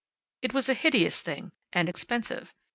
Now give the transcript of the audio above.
It was a hideous thing, and expensive.